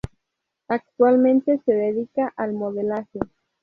Actualmente, se dedica al modelaje.